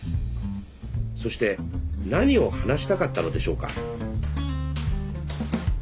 そして何を話したかったのでしょうか。